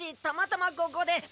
たまたまここで。